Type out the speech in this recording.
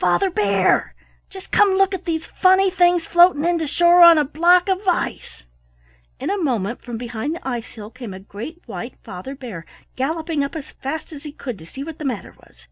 Father Bear! Just come look at these funny things floating in to shore on a block of ice." In a moment from behind the ice hill came a great white father bear galloping up as fast as he could to see what the matter was.